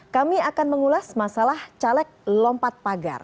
kami akan mengulas masalah caleg lompat pagar